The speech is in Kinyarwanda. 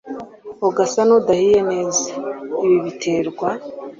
ugasa nk’udahiye neza. Ibi biterwa